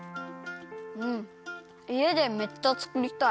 いえでめっちゃつくりたい。